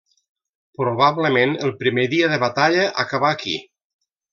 Probablement el primer dia de batalla acabà aquí.